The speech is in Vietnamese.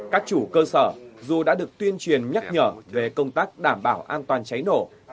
các chủ cơ sở dù đã được tuyên truyền nhắc nhở về công tác đảm bảo an toàn cháy nổ